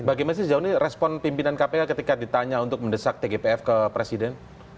bagaimana sih sejauh ini respon pimpinan kpk ketika ditanya untuk mendesak tgpf ke presiden